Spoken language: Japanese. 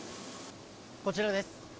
こちらです。